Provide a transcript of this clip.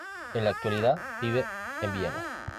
En la actualidad vive en Viena.